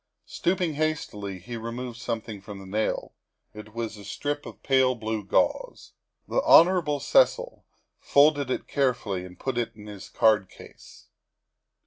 Stooping has tily, he removed something from the nail ; it was a strip of pale blue gauze. The Hon. Cecil folded it carefully and put it in his card case.